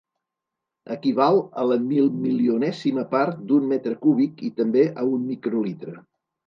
Equival a la milmilionèsima part d'un metre cúbic i també a un microlitre.